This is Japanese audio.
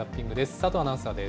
佐藤アナウンサーです。